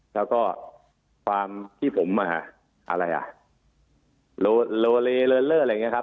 แล้วก็ความที่ผมอ่ะอะไรอ่ะโลเลเลินเลอร์อะไรอย่างเงี้ครับ